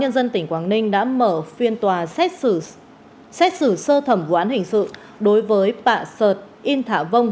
dân tỉnh quảng ninh đã mở phiên tòa xét xử sơ thẩm vụ án hình sự đối với bà sợt yên thả vông